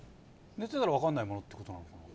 寝てたらわからないものって事なのかな？